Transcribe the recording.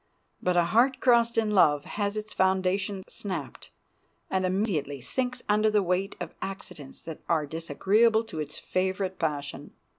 But a heart crossed in love has its foundation sapped, and immediately sinks under the weight of accidents that are disagreeable to its favorite passion.